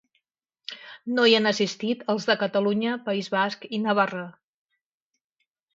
No hi han assistit els de Catalunya, País Basc i Navarra.